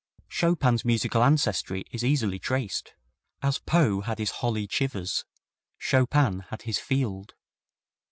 Chopin's musical ancestry is easily traced; as Poe had his Holley Chivers, Chopin had his Field.